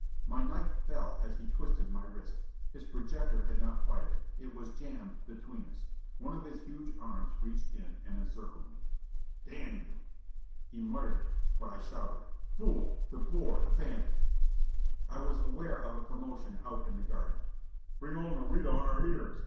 My knife fell as he twisted my wrist. His projector had not fired. It was jammed between us. One of his huge arms reached in and encircled me. "Damn you!" He muttered it, but I shouted, "Fool! De Boer, the bandit!" I was aware of a commotion out in the garden. "... Bring all Nareda on our ears?